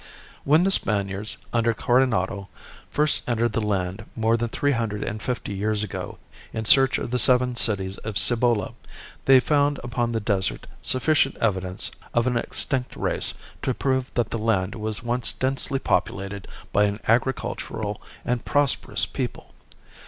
When the Spaniards under Coronado first entered the land more than three hundred and fifty years ago in search of the seven cities of Cibola, they found upon the desert sufficient evidence of an extinct race to prove that the land was once densely populated by an agricultural and prosperous people.